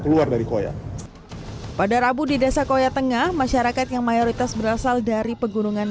keluar dari koya pada rabu di desa koya tengah masyarakat yang mayoritas berasal dari pegunungan